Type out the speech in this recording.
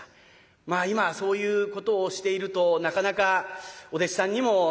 まあ今はそういうことをしているとなかなかお弟子さんにもならないですしね。